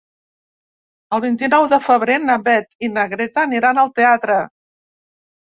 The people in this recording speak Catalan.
El vint-i-nou de febrer na Beth i na Greta aniran al teatre.